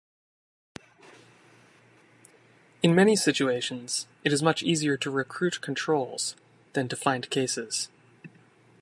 In many situations, it is much easier to recruit controls than to find cases.